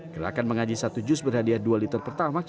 gerakan mengaji satu jus berhadiah dua liter per tamak